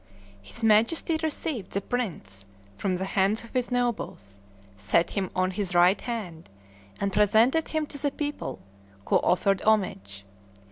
His Majesty received the prince from the hands of his nobles, set him on his right hand, and presented him to the people, who offered homage.